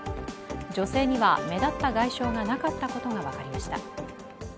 女性には目立った外傷がなかったことが分かりました。